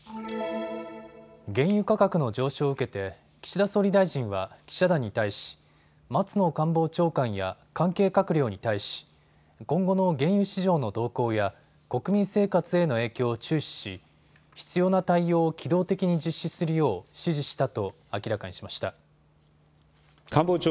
原油価格の上昇を受けて岸田総理大臣は記者団に対し松野官房長官や関係閣僚に対し今後の原油市場の動向や国民生活への影響を注視し必要な対応を機動的に実施するよう指示したと明らかにしました。